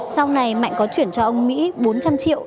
sau này mạnh có chuyển cho ông mỹ bốn trăm linh triệu